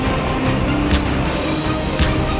saya akan menjaga kebenaran raden